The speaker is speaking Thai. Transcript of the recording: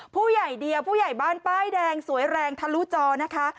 ผู้ใหญ่เดียวผู้ใหญ่บ้านป้ายแดงสวยแรงทะลุจอนะคะ